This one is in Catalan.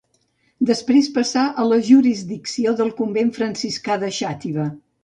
Després passà a la jurisdicció del convent franciscà de Xàtiva.